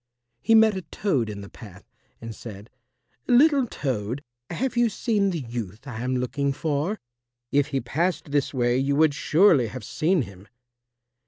He met a Toad in the path, and said, "Little Toad, have you seen the youth I am looking for? If he passed this way you would surely have seen him."